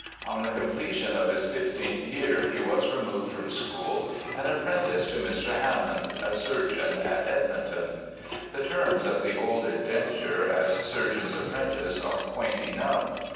On the completion of his fifteenth j^ear he was re moved from school and apprenticed to Mr. Hammond, a surgeon at Edmonton. The terms of the old inden ture as surgeon's apprentice are quaint enough.